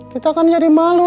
kita akan jadi malu